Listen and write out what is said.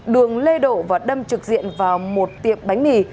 đường lê độ và đâm trực diện vào một tiệm bánh mì